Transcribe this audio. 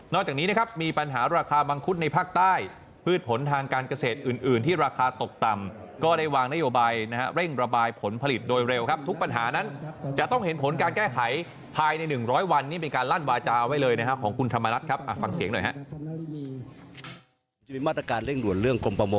นอกจากนี้อืดผลทางการเกษตรอื่นที่ระคาตกต่ำก็ได้วางนโยบายเร่งระบายผลผลิตโดยเร็วครับทุกปัญหานั้นจะต้องเห็นผลการแก้ไขทายใน๑๐๐วันเป็นการลั่นวาจาอฟังเสียงด้วยครับ